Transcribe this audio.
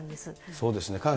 そうですね。